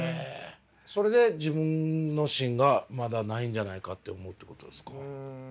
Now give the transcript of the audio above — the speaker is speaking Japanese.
それで自分の芯がまだないんじゃないかって思うってことですか？